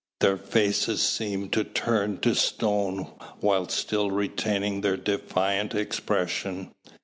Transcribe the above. Their faces seemed to turn to stone whilst still retaining their defiant expression.